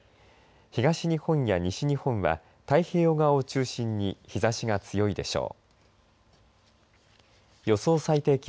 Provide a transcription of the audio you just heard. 東日本や西日本は太平洋側を中心に日ざしが強いでしょう。